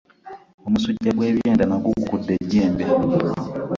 Omusujja gw'ebyenda nagwo gukudde ejjembe.